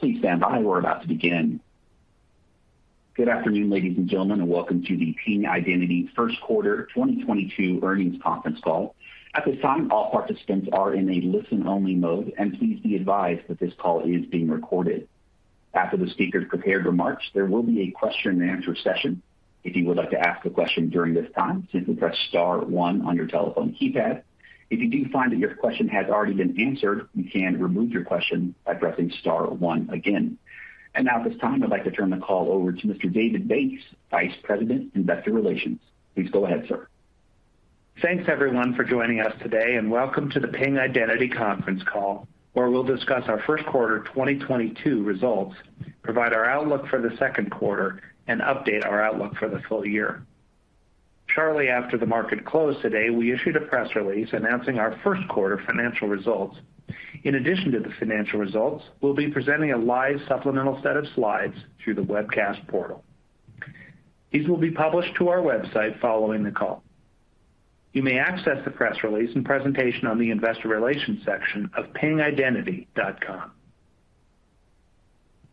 Please stand by. We're about to begin. Good afternoon, ladies and gentlemen, and welcome to the Ping Identity first quarter 2022 earnings conference call. At this time, all participants are in a listen-only mode, and please be advised that this call is being recorded. After the speakers' prepared remarks, there will be a question-and-answer session. If you would like to ask a question during this time, simply press star one on your telephone keypad. If you do find that your question has already been answered, you can remove your question by pressing star one again. Now, at this time, I'd like to turn the call over to Mr. David Banks, Vice President, Investor Relations. Please go ahead, sir. Thanks, everyone, for joining us today, and welcome to the Ping Identity conference call, where we'll discuss our first quarter 2022 results, provide our outlook for the second quarter, and update our outlook for the full year. Shortly after the market closed today, we issued a press release announcing our first quarter financial results. In addition to the financial results, we'll be presenting a live supplemental set of slides through the webcast portal. These will be published to our website following the call. You may access the press release and presentation on the investor relations section of pingidentity.com.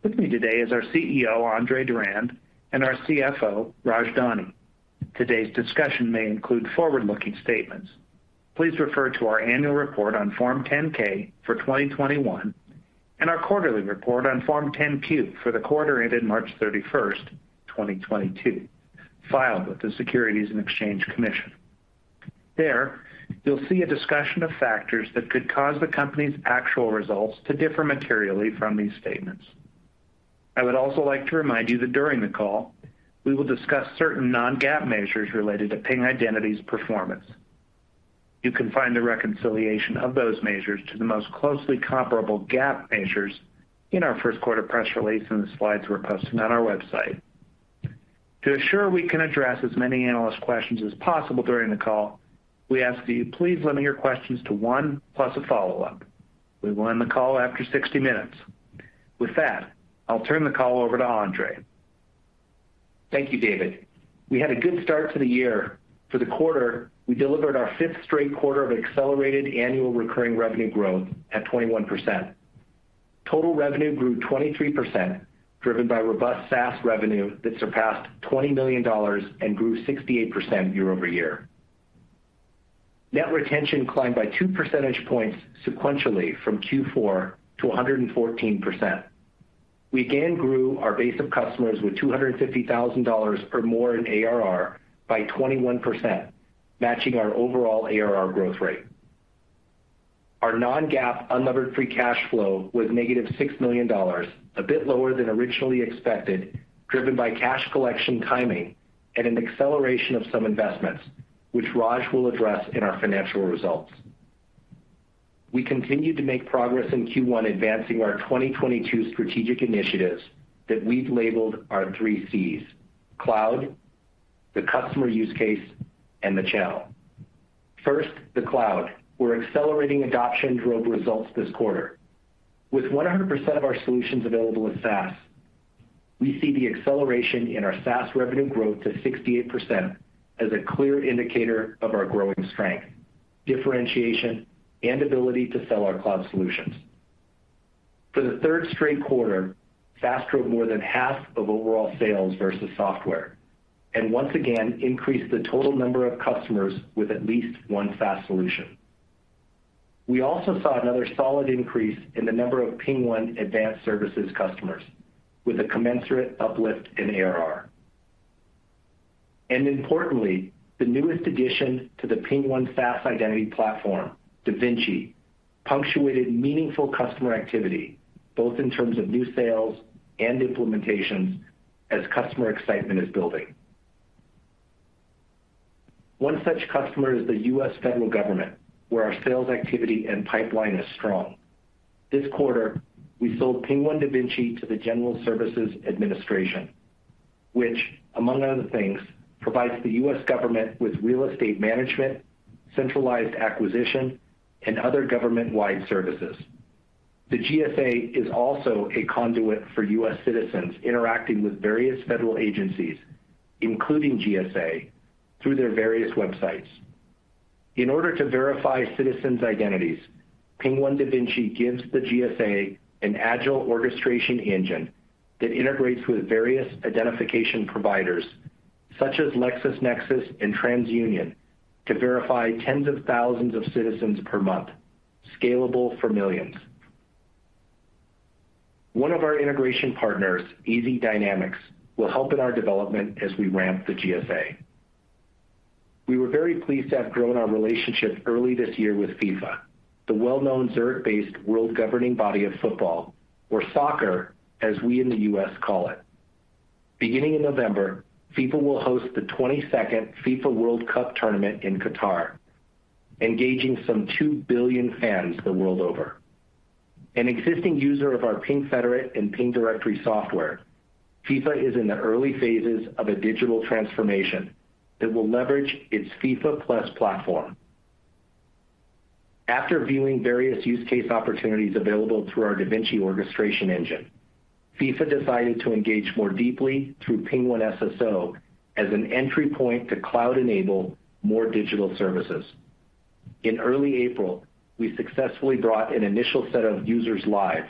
With me today is our CEO, Andre Durand, and our CFO, Raj Dani. Today's discussion may include forward-looking statements. Please refer to our annual report on Form 10-K for 2021 and our quarterly report on Form 10-Q for the quarter ended March 31, 2022, filed with the Securities and Exchange Commission. There, you'll see a discussion of factors that could cause the company's actual results to differ materially from these statements. I would also like to remind you that during the call, we will discuss certain non-GAAP measures related to Ping Identity's performance. You can find the reconciliation of those measures to the most closely comparable GAAP measures in our first quarter press release and the slides we're posting on our website. To assure we can address as many analyst questions as possible during the call, we ask that you please limit your questions to one plus a follow-up. We will end the call after 60 minutes. With that, I'll turn the call over to Andre. Thank you, David. We had a good start to the year. For the quarter, we delivered our fifth straight quarter of accelerated annual recurring revenue growth at 21%. Total revenue grew 23%, driven by robust SaaS revenue that surpassed $20 million and grew 68% year-over-year. Net retention climbed by 2 percentage points sequentially from Q4 to 114%. We again grew our base of customers with $250,000 or more in ARR by 21%, matching our overall ARR growth rate. Our non-GAAP unlevered free cash flow was -$6 million, a bit lower than originally expected, driven by cash collection timing and an acceleration of some investments, which Raj will address in our financial results. We continued to make progress in Q1 advancing our 2022 strategic initiatives that we've labeled our three Cs, cloud, the customer use case, and the channel. First, the cloud, where accelerating adoption drove results this quarter. With 100% of our solutions available as SaaS, we see the acceleration in our SaaS revenue growth to 68% as a clear indicator of our growing strength, differentiation, and ability to sell our cloud solutions. For the third straight quarter, SaaS drove more than half of overall sales versus software, and once again increased the total number of customers with at least one SaaS solution. We also saw another solid increase in the number of PingOne Advanced Services customers with a commensurate uplift in ARR. Importantly, the newest addition to the PingOne SaaS Identity Platform, DaVinci, punctuated meaningful customer activity, both in terms of new sales and implementations as customer excitement is building. One such customer is the U.S. Federal Government, where our sales activity and pipeline is strong. This quarter, we sold PingOne DaVinci to the General Services Administration, which, among other things, provides the U.S. government with real estate management, centralized acquisition, and other government-wide services. The GSA is also a conduit for U.S. citizens interacting with various federal agencies, including GSA, through their various websites. In order to verify citizens' identities, PingOne DaVinci gives the GSA an agile orchestration engine that integrates with various identification providers such as LexisNexis and TransUnion to verify tens of thousands of citizens per month, scalable for millions. One of our integration partners, Easy Dynamics, will help in our development as we ramp the GSA. We were very pleased to have grown our relationship early this year with FIFA, the well-known Zurich-based world governing body of football or soccer, as we in the U.S. call it. Beginning in November, FIFA will host the 22nd FIFA World Cup Tournament in Qatar, engaging some 2 billion fans the world over. An existing user of our PingFederate and PingDirectory Software, FIFA is in the early phases of a digital transformation that will leverage its FIFA+ platform. After viewing various use case opportunities available through our DaVinci orchestration engine, FIFA decided to engage more deeply through PingOne SSO as an entry point to cloud-enable more digital services. In early April, we successfully brought an initial set of users live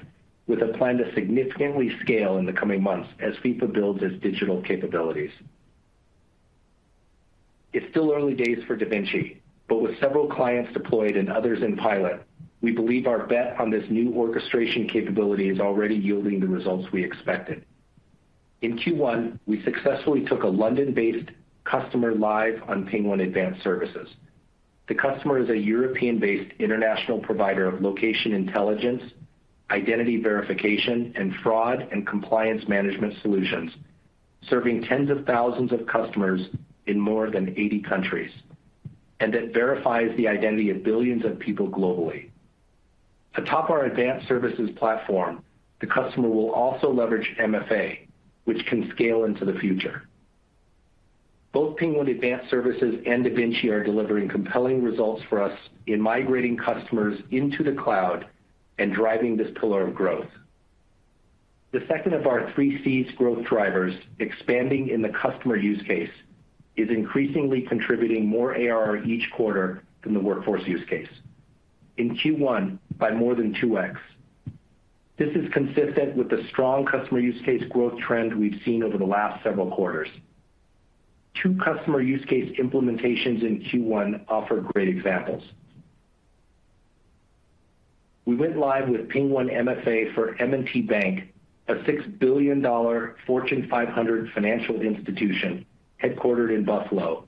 with a plan to significantly scale in the coming months as FIFA builds its digital capabilities. It's still early days for DaVinci, but with several clients deployed and others in pilot, we believe our bet on this new orchestration capability is already yielding the results we expected. In Q1, we successfully took a London-based customer live on PingOne Advanced Services. The customer is a European-based international provider of location intelligence, identity verification, and fraud and compliance management solutions, serving tens of thousands of customers in more than 80 countries, and that verifies the identity of billions of people globally. Atop our advanced services platform, the customer will also leverage MFA, which can scale into the future. Both PingOne Advanced Services and DaVinci are delivering compelling results for us in migrating customers into the cloud and driving this pillar of growth. The second of our three Cs growth drivers expanding in the customer use case is increasingly contributing more ARR each quarter than the workforce use case. In Q1 by more than 2x. This is consistent with the strong customer use case growth trend we've seen over the last several quarters. Two customer use case implementations in Q1 offer great examples. We went live with PingOne MFA for M&T Bank, a $6 billion Fortune 500 financial institution headquartered in Buffalo,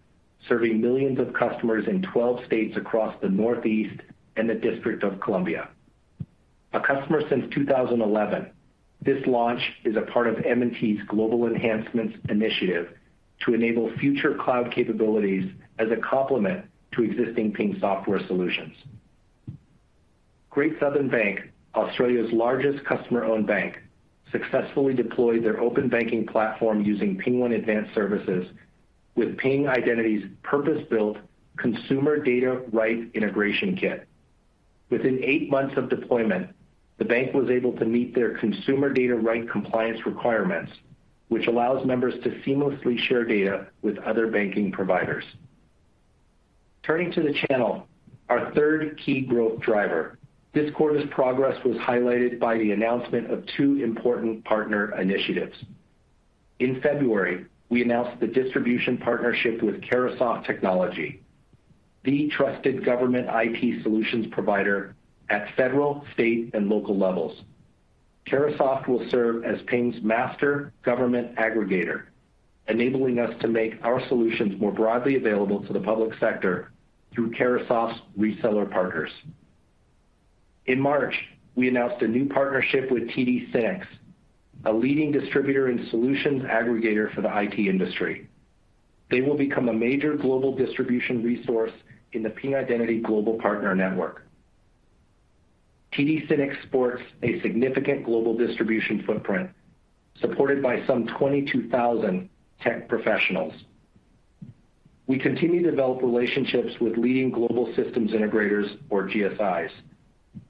serving millions of customers in 12 states across the Northeast and the District of Columbia. A customer since 2011, this launch is a part of M&T's global enhancements initiative to enable future cloud capabilities as a complement to existing Ping software solutions. Great Southern Bank, Australia's largest customer-owned bank, successfully deployed their open banking platform using PingOne Advanced Services with Ping Identity's Purpose-Built Consumer Data Right Integration Kit. Within eight months of deployment, the bank was able to meet their Consumer Data Right compliance requirements, which allows members to seamlessly share data with other banking providers. Turning to the channel, our third key growth driver. This quarter's progress was highlighted by the announcement of two important partner initiatives. In February, we announced the distribution partnership with Carahsoft Technology, the trusted government IT solutions provider at federal, state and local levels. Carahsoft will serve as Ping's master government aggregator, enabling us to make our solutions more broadly available to the public sector through Carahsoft's reseller partners. In March, we announced a new partnership with TD SYNNEX, a leading distributor and solutions aggregator for the IT industry. They will become a major global distribution resource in the Ping Identity global partner network. TD SYNNEX sports a significant global distribution footprint supported by some 22,000 tech professionals. We continue to develop relationships with leading global systems integrators or GSIs.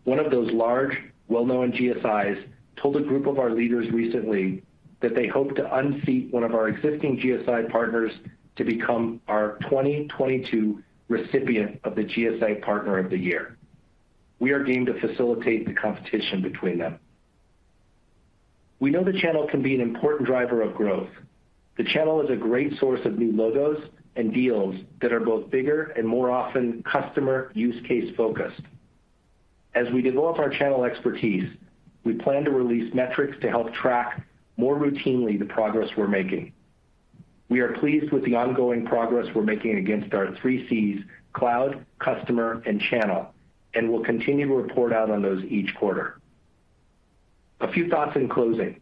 One of those large, well-known GSIs told a group of our leaders recently that they hope to unseat one of our existing GSI partners to become our 2022 recipient of the GSI Partner of the Year. We are game to facilitate the competition between them. We know the channel can be an important driver of growth. The channel is a great source of new logos and deals that are both bigger and more often customer use case-focused. As we develop our channel expertise, we plan to release metrics to help track more routinely the progress we're making. We are pleased with the ongoing progress we're making against our three Cs, cloud, customer, and channel, and we'll continue to report out on those each quarter. A few thoughts in closing.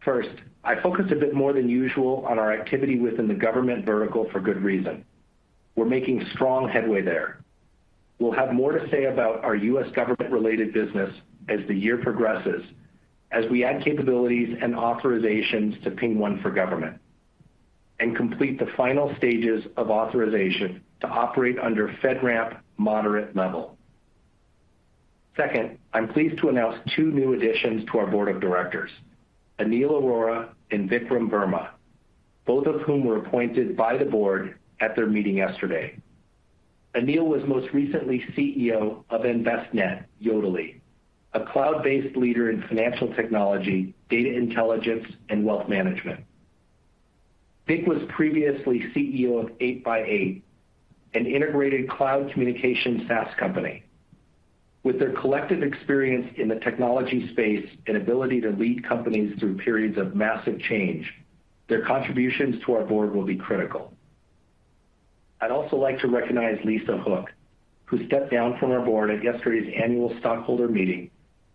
First, I focused a bit more than usual on our activity within the government vertical for good reason. We're making strong headway there. We'll have more to say about our U.S. government-related business as the year progresses as we add capabilities and authorizations to PingOne for Government and complete the final stages of authorization to operate under FedRAMP moderate level. Second, I'm pleased to announce two new additions to our board of directors, Anil Arora and Vikram Verma, both of whom were appointed by the board at their meeting yesterday. Anil was most recently CEO of Envestnet|Yodlee, a cloud-based leader in financial technology, data intelligence, and wealth management. Vik was previously CEO of 8x8, an integrated cloud communication SaaS company. With their collective experience in the technology space and ability to lead companies through periods of massive change, their contributions to our board will be critical. I'd also like to recognize Lisa Hook, who stepped down from our board at yesterday's annual stockholder meeting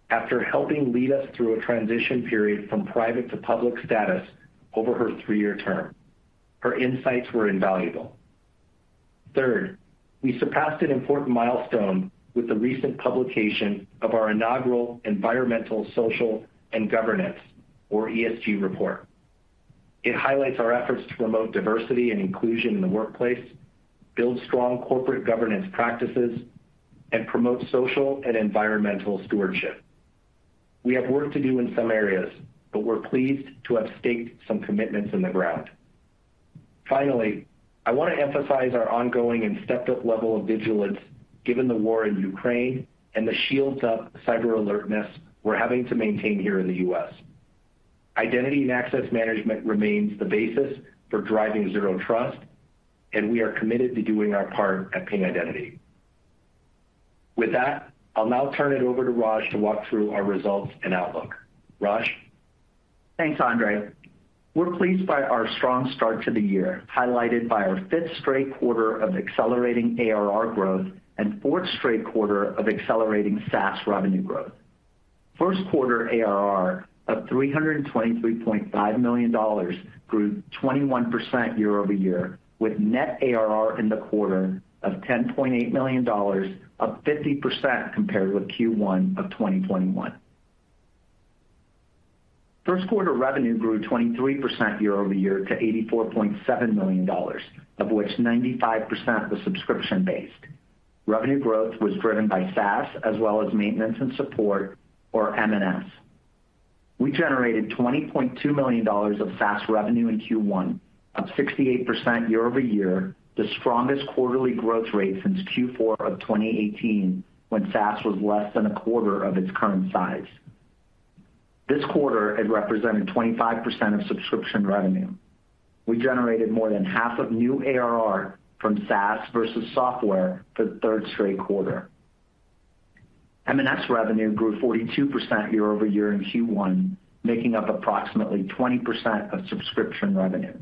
after helping lead us through a transition period from private to public status over her three-year term. Her insights were invaluable. Third, we surpassed an important milestone with the recent publication of our inaugural environmental, social, and governance or ESG report. It highlights our efforts to promote diversity and inclusion in the workplace, build strong corporate governance practices, and promote social and environmental stewardship. We have work to do in some areas, but we're pleased to have staked some commitments in the ground. Finally, I want to emphasize our ongoing and stepped-up level of vigilance given the war in Ukraine and the Shields-up cyber alertness we're having to maintain here in the U.S. Identity and access management remains the basis for driving Zero Trust, and we are committed to doing our part at Ping Identity. With that, I'll now turn it over to Raj to walk through our results and outlook. Raj? Thanks, Andre. We're pleased by our strong start to the year, highlighted by our fifth straight quarter of accelerating ARR growth and fourth straight quarter of accelerating SaaS revenue growth. First quarter ARR of $323.5 million grew 21% year-over-year, with net ARR in the quarter of $10.8 million, up 50% compared with Q1 of 2021. First quarter revenue grew 23% year-over-year to $84.7 million, of which 95% was subscription-based. Revenue growth was driven by SaaS as well as maintenance and support, or M&S. We generated $20.2 million of SaaS revenue in Q1, up 68% year-over-year, the strongest quarterly growth rate since Q4 of 2018 when SaaS was less than a quarter of its current size. This quarter, it represented 25% of subscription revenue. We generated more than half of new ARR from SaaS versus software for the third straight quarter. M&S revenue grew 42% year-over-year in Q1, making up approximately 20% of subscription revenue.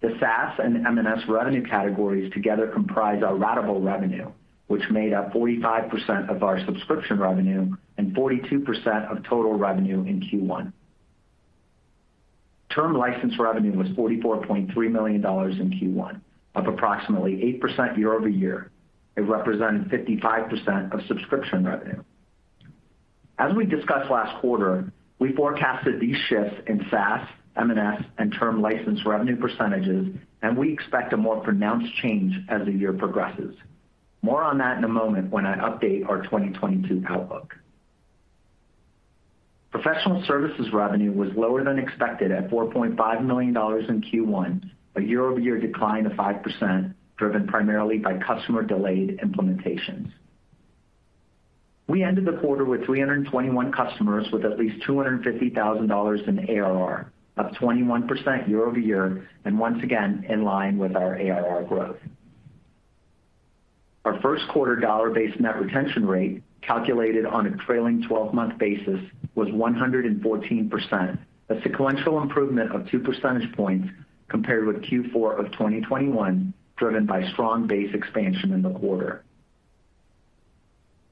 The SaaS and M&S revenue categories together comprise our ratable revenue, which made up 45% of our subscription revenue and 42% of total revenue in Q1. Term license revenue was $44.3 million in Q1, up approximately 8% year-over-year. It represented 55% of subscription revenue. As we discussed last quarter, we forecasted these shifts in SaaS, M&S, and term license revenue percentages, and we expect a more pronounced change as the year progresses. More on that in a moment when I update our 2022 outlook. Professional services revenue was lower than expected at $4.5 million in Q1, a year-over-year decline of 5%, driven primarily by customer-delayed implementations. We ended the quarter with 321 customers with at least $250,000 in ARR, up 21% year over year, and once again, in line with our ARR growth. Our first quarter dollar-based net retention rate, calculated on a trailing twelve-month basis, was 114%, a sequential improvement of 2 percentage points compared with Q4 of 2021, driven by strong base expansion in the quarter.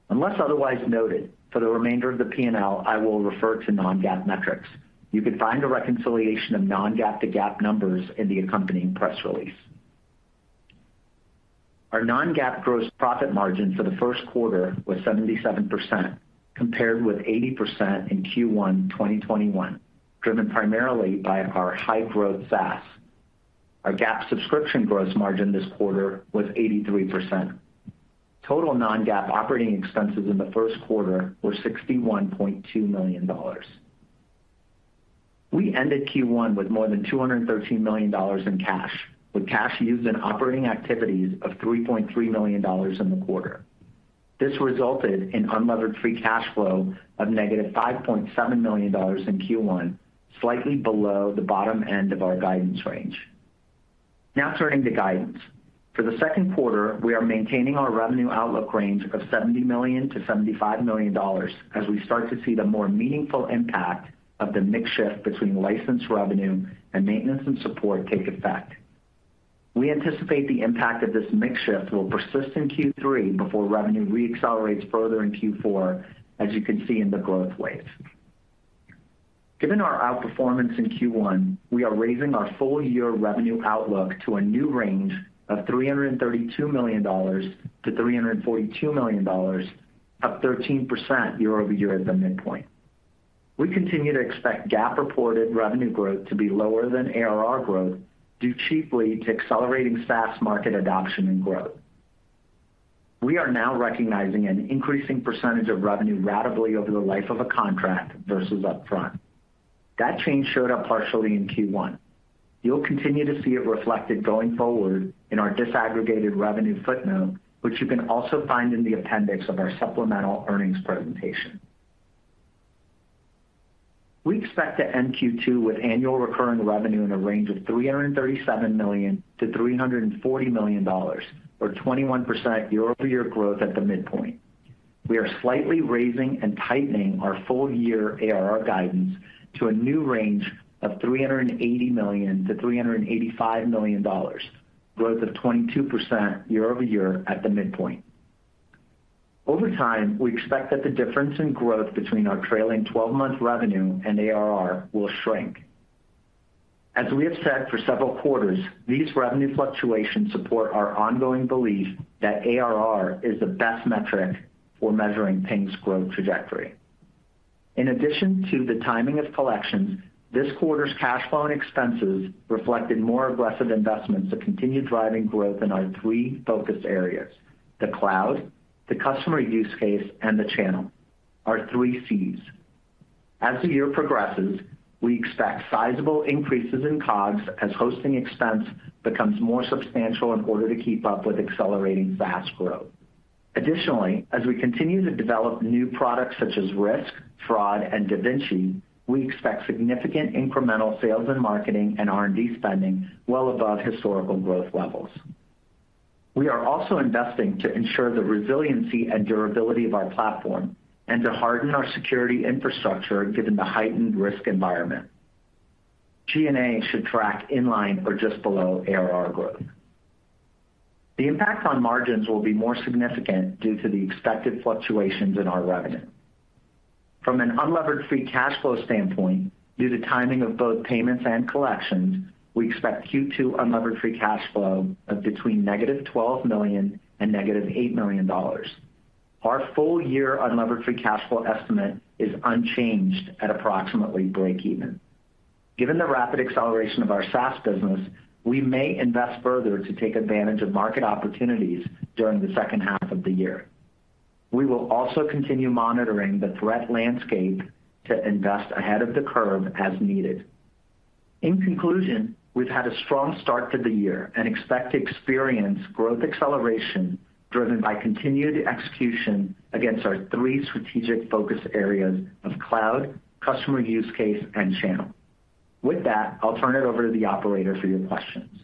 Unless otherwise noted, for the remainder of the P&L, I will refer to non-GAAP metrics. You can find a reconciliation of non-GAAP to GAAP numbers in the accompanying press release. Our non-GAAP gross profit margin for the first quarter was 77%, compared with 80% in Q1 2021, driven primarily by our high-growth SaaS. Our GAAP subscription gross margin this quarter was 83%. Total non-GAAP operating expenses in the first quarter were $61.2 million. We ended Q1 with more than $213 million in cash, with cash used in operating activities of $3.3 million in the quarter. This resulted in unlevered free cash flow of -$5.7 million in Q1, slightly below the bottom end of our guidance range. Now turning to guidance. For the second quarter, we are maintaining our revenue outlook range of $70 million-$75 million as we start to see the more meaningful impact of the mix shift between license revenue and maintenance and support take effect. We anticipate the impact of this mix shift will persist in Q3 before revenue re-accelerates further in Q4, as you can see in the growth wave. Given our outperformance in Q1, we are raising our full-year revenue outlook to a new range of $332 million-$342 million, up 13% year-over-year at the midpoint. We continue to expect GAAP-reported revenue growth to be lower than ARR growth due chiefly to accelerating SaaS market adoption and growth. We are now recognizing an increasing percentage of revenue ratably over the life of a contract versus upfront. That change showed up partially in Q1. You'll continue to see it reflected going forward in our disaggregated revenue footnote, which you can also find in the appendix of our supplemental earnings presentation. We expect to end Q2 with annual recurring revenue in a range of $337 million-$340 million, or 21% year-over-year growth at the midpoint. We are slightly raising and tightening our full-year ARR guidance to a new range of $380 million-$385 million, growth of 22% year-over-year at the midpoint. Over time, we expect that the difference in growth between our trailing twelve-month revenue and ARR will shrink. As we have said for several quarters, these revenue fluctuations support our ongoing belief that ARR is the best metric for measuring Ping's growth trajectory. In addition to the timing of collections, this quarter's cash flow and expenses reflected more aggressive investments that continue driving growth in our three focus areas: the cloud, the customer use case, and the channel, our three Cs. As the year progresses, we expect sizable increases in COGS as hosting expense becomes more substantial in order to keep up with accelerating fast growth. Additionally, as we continue to develop new products such as risk, fraud, and DaVinci, we expect significant incremental sales and marketing and R&D spending well above historical growth levels. We are also investing to ensure the resiliency and durability of our platform and to harden our security infrastructure given the heightened risk environment. G&A should track in line or just below ARR growth. The impact on margins will be more significant due to the expected fluctuations in our revenue. From an unlevered free cash flow standpoint, due to timing of both payments and collections, we expect Q2 unlevered free cash flow of between -$12 million and -$8 million. Our full year unlevered free cash flow estimate is unchanged at approximately breakeven. Given the rapid acceleration of our SaaS business, we may invest further to take advantage of market opportunities during the second half of the year. We will also continue monitoring the threat landscape to invest ahead of the curve as needed. In conclusion, we've had a strong start to the year and expect to experience growth acceleration driven by continued execution against our three strategic focus areas of cloud, customer use case, and channel. With that, I'll turn it over to the operator for your questions.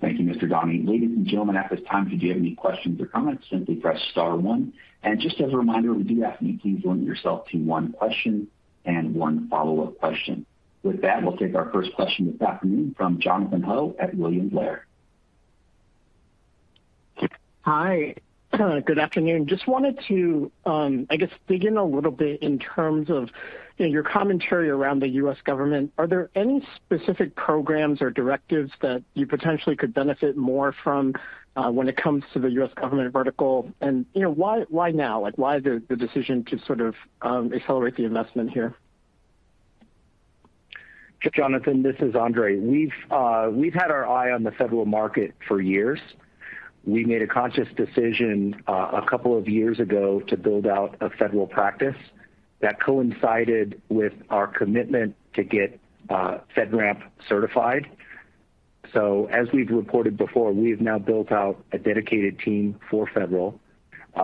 Thank you, Mr. Dan. Ladies and gentlemen, at this time, if you do have any questions or comments, simply press star one. Just as a reminder, we do ask that you please limit yourself to one question and one follow-up question. With that, we'll take our first question this afternoon from Jonathan Ho at William Blair. Hi, good afternoon. Just wanted to, I guess, dig in a little bit in terms of, you know, your commentary around the U.S. government. Are there any specific programs or directives that you potentially could benefit more from, when it comes to the U.S. government vertical? You know, why now? Like, why the decision to sort of, accelerate the investment here? Jonathan, this is Andre. We've had our eye on the federal market for years. We made a conscious decision a couple of years ago to build out a federal practice that coincided with our commitment to get FedRAMP certified. As we've reported before, we have now built out a dedicated team for federal.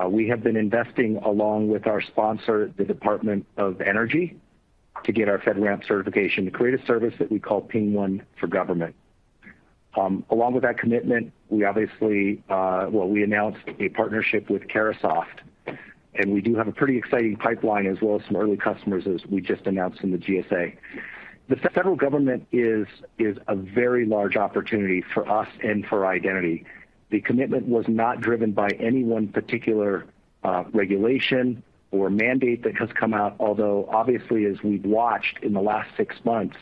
We have been investing along with our sponsor, the Department of Energy, to get our FedRAMP certification to create a service that we call PingOne for Government. Along with that commitment, we obviously well, we announced a partnership with Carahsoft, and we do have a pretty exciting pipeline as well as some early customers as we just announced in the GSA. The federal government is a very large opportunity for us and for identity. The commitment was not driven by any one particular, regulation or mandate that has come out. Although obviously as we've watched in the last six months,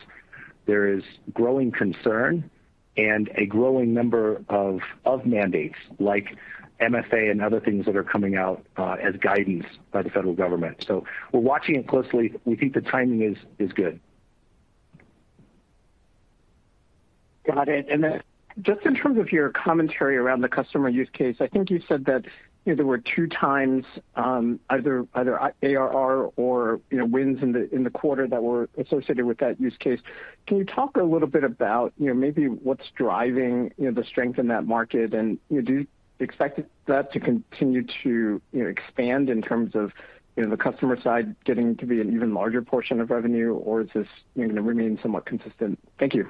there is growing concern and a growing number of mandates like MFA and other things that are coming out, as guidance by the federal government. We're watching it closely. We think the timing is good. Got it. Then just in terms of your commentary around the customer use case, I think you said that, you know, there were two times, either ARR or, you know, wins in the quarter that were associated with that use case. Can you talk a little bit about, you know, maybe what's driving, you know, the strength in that market? You know, do you expect that to continue to, you know, expand in terms of, you know, the customer side getting to be an even larger portion of revenue, or is this, you know, going to remain somewhat consistent? Thank you.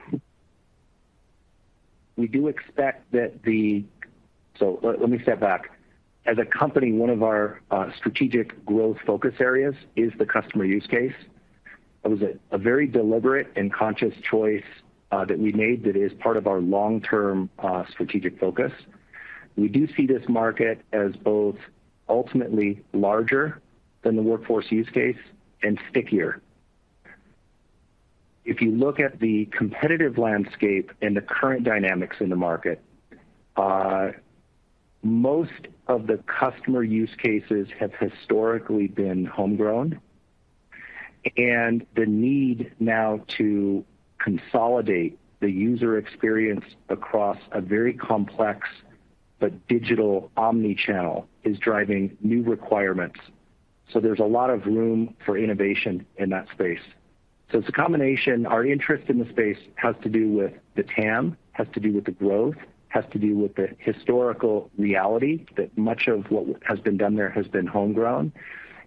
Let me step back. As a company, one of our strategic growth focus areas is the customer use case. That was a very deliberate and conscious choice that we made that is part of our long-term strategic focus. We do see this market as both ultimately larger than the workforce use case and stickier. If you look at the competitive landscape and the current dynamics in the market, most of the customer use cases have historically been homegrown. The need now to consolidate the user experience across a very complex but digital omni-channel is driving new requirements. There's a lot of room for innovation in that space. It's a combination. Our interest in the space has to do with the TAM, has to do with the growth, has to do with the historical reality that much of what has been done there has been homegrown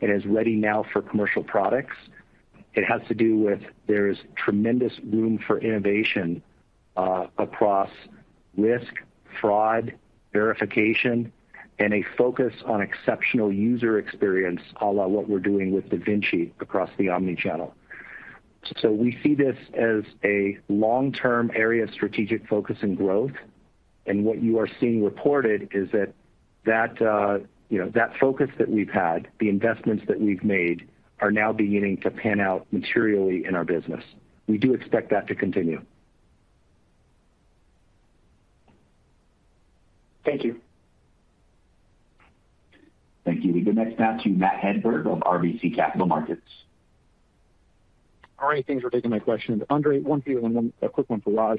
and is ready now for commercial products. It has to do with there is tremendous room for innovation, across risk, fraud, verification, and a focus on exceptional user experience à la what we're doing with DaVinci across the omni-channel. We see this as a long-term area of strategic focus and growth. What you are seeing reported is that, you know, that focus that we've had, the investments that we've made are now beginning to pan out materially in our business. We do expect that to continue. Thank you. Thank you. We go next now to Matt Hedberg of RBC Capital Markets. All right. Thanks for taking my question. Andre, one for you and one, a quick one for Raj.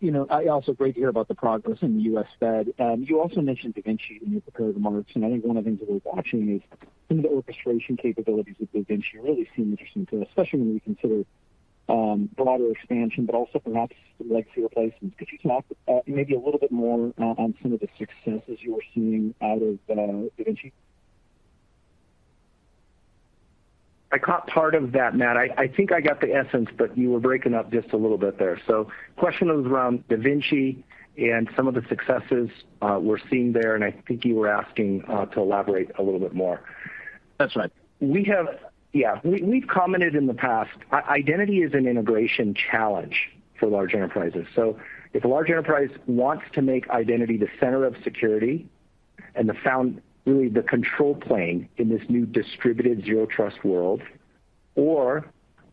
You know, it's also great to hear about the progress in the U.S. FedRAMP. You also mentioned DaVinci in your prepared remarks, and I think one of the things that we're watching is some of the orchestration capabilities with DaVinci really seem interesting to us, especially when we consider broader expansion, but also perhaps some legacy replacements. Could you talk maybe a little bit more on some of the successes you are seeing out of DaVinci? I caught part of that, Matt. I think I got the essence, but you were breaking up just a little bit there. Question was around DaVinci and some of the successes we're seeing there, and I think you were asking to elaborate a little bit more. That's right. We've commented in the past, identity is an integration challenge for large enterprises. If a large enterprise wants to make identity the center of security, and really the control plane in this new distributed Zero Trust World, or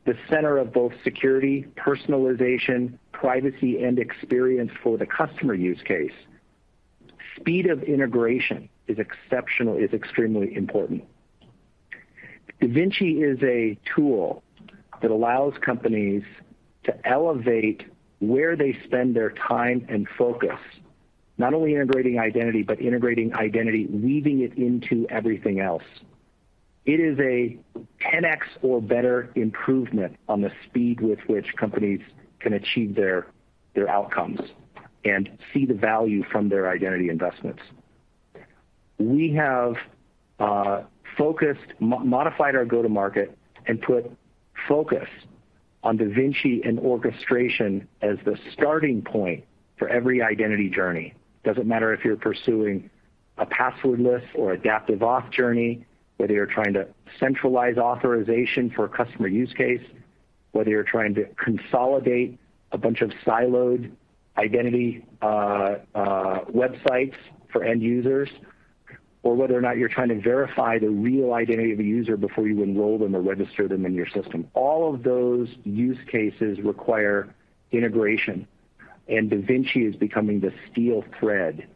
the center of both security, personalization, privacy, and experience for the customer use case, speed of integration is extremely important. DaVinci is a tool that allows companies to elevate where they spend their time and focus, not only integrating identity, but weaving it into everything else. It is a 10x or better improvement on the speed with which companies can achieve their outcomes and see the value from their identity investments. We have focused, modified our go-to-market and put focus on DaVinci and orchestration as the starting point for every identity journey. Doesn't matter if you're pursuing a passwordless or adaptive auth journey, whether you're trying to centralize authorization for a customer use case, whether you're trying to consolidate a bunch of siloed identity websites for end users, or whether or not you're trying to verify the real identity of a user before you enroll them or register them in your system. All of those use cases require integration, and DaVinci is becoming the steel thread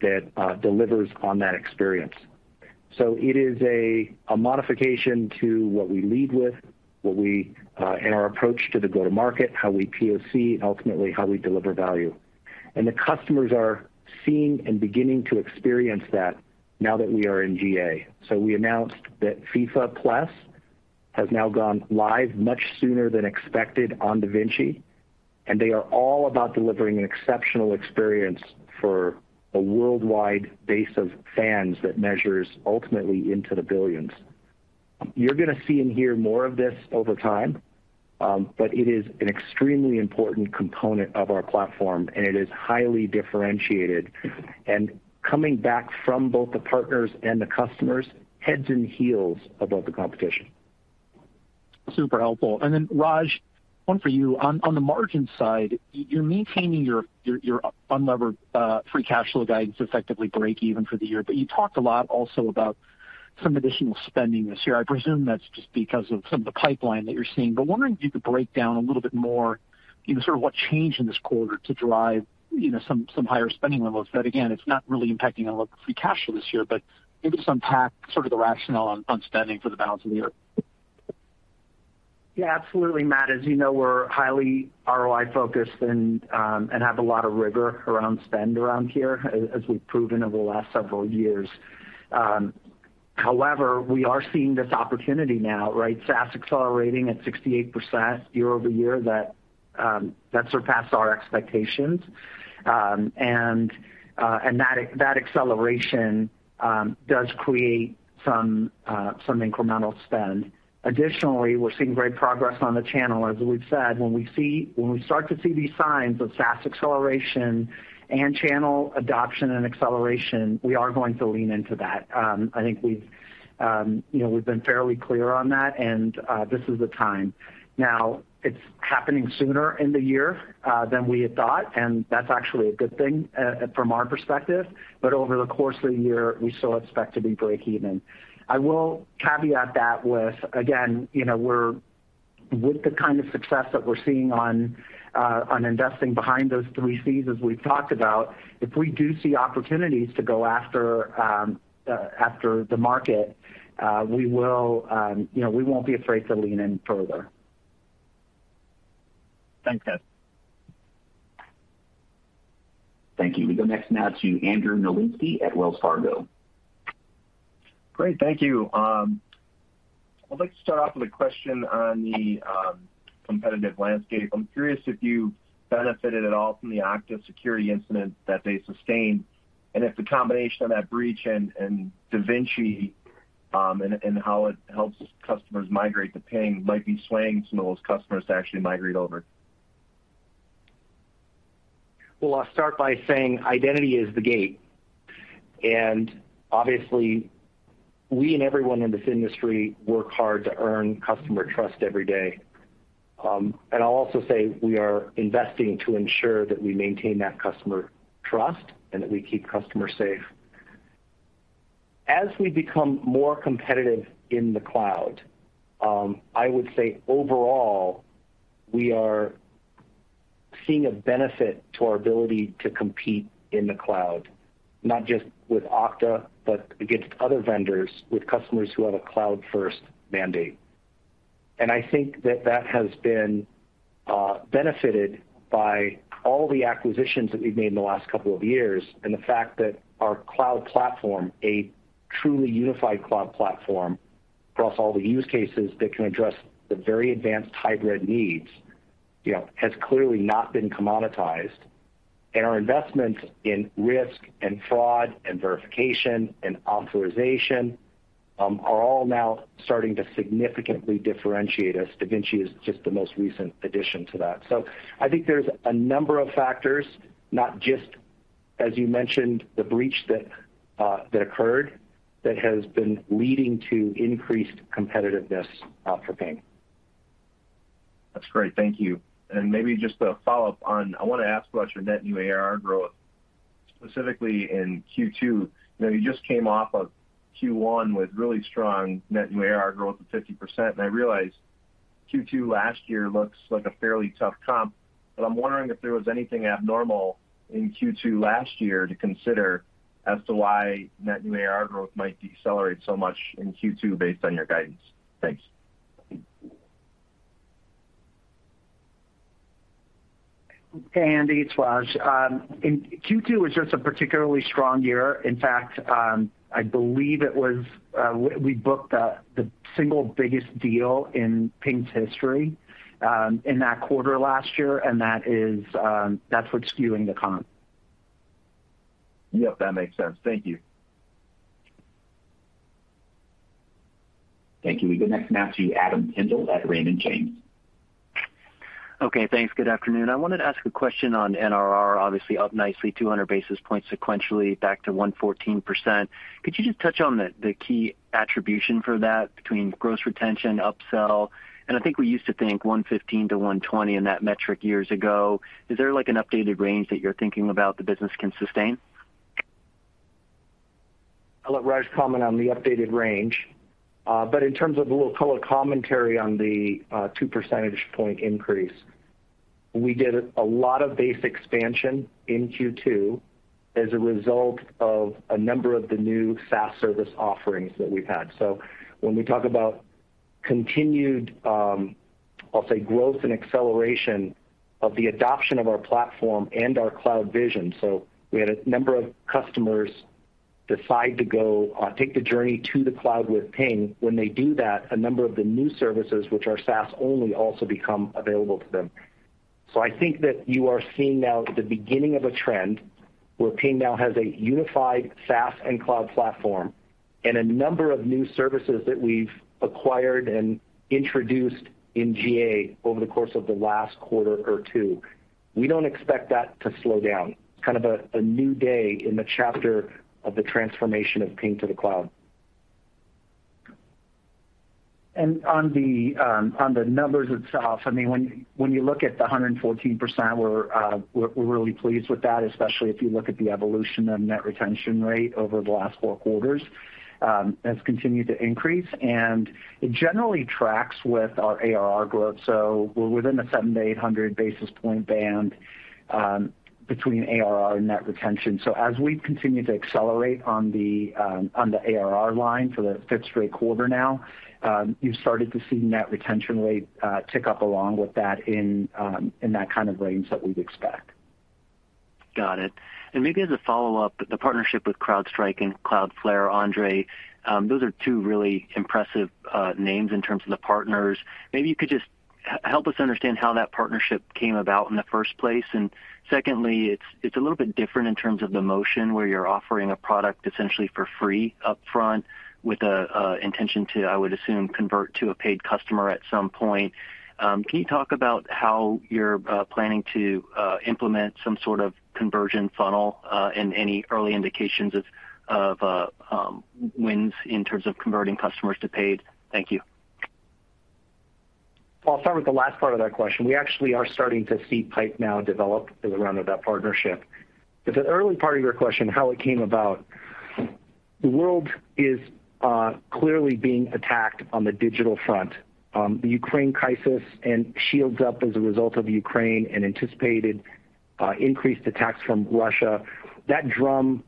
that delivers on that experience. It is a modification to what we lead with in our approach to the go-to-market, how we POC, ultimately how we deliver value. The customers are seeing and beginning to experience that now that we are in GA. We announced that FIFA+ has now gone live much sooner than expected on DaVinci, and they are all about delivering an exceptional experience for a worldwide base of fans that measures ultimately into the billions. You're gonna see and hear more of this over time, but it is an extremely important component of our platform, and it is highly differentiated. Coming back from both the partners and the customers, head and shoulders above the competition. Super helpful. Then Raj, one for you. On the margin side, you're maintaining your unlevered free cash flow guidance, effectively break even for the year. You talked a lot also about some additional spending this year. I presume that's just because of some of the pipeline that you're seeing. Wondering if you could break down a little bit more, you know, sort of what changed in this quarter to drive, you know, some higher spending levels. Again, it's not really impacting on what free cash flow this year, but maybe just unpack sort of the rationale on spending for the balance of the year. Yeah, absolutely, Matt. As you know, we're highly ROI-focused and have a lot of rigor around spend around here, as we've proven over the last several years. However, we are seeing this opportunity now, right? SaaS accelerating at 68% year-over-year that surpassed our expectations. And that acceleration does create some incremental spend. Additionally, we're seeing great progress on the channel. As we've said, when we start to see these signs of SaaS acceleration and channel adoption and acceleration, we are going to lean into that. I think we've, you know, we've been fairly clear on that, and this is the time. Now, it's happening sooner in the year than we had thought, and that's actually a good thing from our perspective. Over the course of the year, we still expect to be breakeven. I will caveat that with, again, you know, we're with the kind of success that we're seeing on investing behind those three Cs as we've talked about. If we do see opportunities to go after the market, we will, you know, we won't be afraid to lean in further. Thanks, guys. Thank you. We go next now to Andrew Nowinski at Wells Fargo. Great. Thank you. I'd like to start off with a question on the competitive landscape. I'm curious if you benefited at all from the Okta security incident that they sustained, and if the combination of that breach and DaVinci and how it helps customers migrate to Ping might be swaying some of those customers to actually migrate over. Well, I'll start by saying identity is the gate. Obviously, we and everyone in this industry work hard to earn customer trust every day. I'll also say we are investing to ensure that we maintain that customer trust and that we keep customers safe. As we become more competitive in the cloud, I would say overall, we are seeing a benefit to our ability to compete in the cloud, not just with Okta, but against other vendors with customers who have a cloud-first mandate. I think that has been benefited by all the acquisitions that we've made in the last couple of years, and the fact that our cloud platform, a truly unified cloud platform across all the use cases that can address the very advanced hybrid needs, you know, has clearly not been commoditized. Our investments in risk and fraud and verification and authorization are all now starting to significantly differentiate us. DaVinci is just the most recent addition to that. I think there's a number of factors, not just as you mentioned, the breach that occurred that has been leading to increased competitiveness for Ping. That's great. Thank you. Maybe just a follow-up. I wanna ask about your net new ARR growth, specifically in Q2. You know, you just came off of Q1 with really strong net new ARR growth of 50%, and I realize Q2 last year looks like a fairly tough comp, but I'm wondering if there was anything abnormal in Q2 last year to consider as to why net new ARR growth might decelerate so much in Q2 based on your guidance. Thanks. Hey, Andrew, it's Raj. In Q2, it was just a particularly strong quarter. In fact, I believe we booked the single biggest deal in Ping's history in that quarter last year, and that's what's skewing the comp. Yep, that makes sense. Thank you. Thank you. We go next now to Adam Tindle at Raymond James. Okay, thanks. Good afternoon. I wanted to ask a question on NRR, obviously up nicely, 200 basis points sequentially back to 114%. Could you just touch on the key attribution for that between gross retention, upsell? I think we used to think 115%-120% in that metric years ago. Is there like an updated range that you're thinking about the business can sustain? I'll let Raj comment on the updated range. In terms of a little color commentary on the 2 percentage point increase, we did a lot of base expansion in Q2 as a result of a number of the new SaaS service offerings that we've had. When we talk about continued, I'll say growth and acceleration of the adoption of our platform and our cloud vision. We had a number of customers decide to go take the journey to the cloud with Ping. When they do that, a number of the new services which are SaaS only also become available to them. I think that you are seeing now the beginning of a trend where Ping now has a unified SaaS and cloud platform and a number of new services that we've acquired and introduced in GA over the course of the last quarter or two. We don't expect that to slow down. It's kind of a new day in the chapter of the transformation of Ping to the cloud. On the numbers itself, I mean, when you look at the 114%, we're really pleased with that, especially if you look at the evolution of net retention rate over the last four quarters has continued to increase, and it generally tracks with our ARR growth. We're within the 700-800 basis point band between ARR and net retention. As we continue to accelerate on the ARR line for the fifth straight quarter now, you've started to see net retention rate tick up along with that in that kind of range that we'd expect. Got it. Maybe as a follow-up, the partnership with CrowdStrike and Cloudflare, Andre, those are two really impressive names in terms of the partners. Maybe you could just help us understand how that partnership came about in the first place. Secondly, it's a little bit different in terms of the motion where you're offering a product essentially for free up front with a intention to, I would assume, convert to a paid customer at some point. Can you talk about how you're planning to implement some sort of conversion funnel, and any early indications of wins in terms of converting customers to paid? Thank you. Well, I'll start with the last part of that question. We actually are starting to see pipeline now develop around that partnership. The early part of your question, how it came about, the world is clearly being attacked on the digital front. The Ukraine crisis and Shields Up as a result of Ukraine and anticipated increased attacks from Russia. That drumbeat